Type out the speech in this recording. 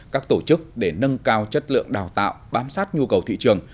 các tổ chức để nâng cao chất lượng đào tạo bám sát nhu cầu thị trường